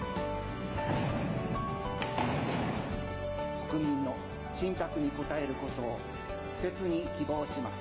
国民の信託に応えることをせつに希望します。